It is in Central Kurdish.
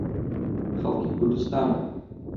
خەڵکی کوردستانم.